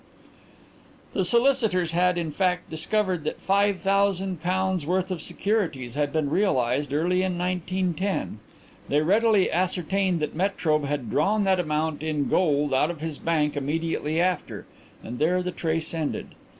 "The solicitors had, in fact, discovered that five thousand pounds' worth of securities had been realized early in 1910. They readily ascertained that Metrobe had drawn that amount in gold out of his bank immediately after, and there the trace ended.